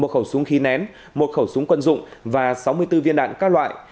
một khẩu súng khí nén một khẩu súng quân dụng và sáu mươi bốn viên đạn các loại